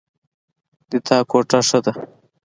د تا کوټه ښه ده